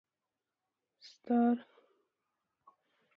ستار توره خولۍ واغوسته او روان شو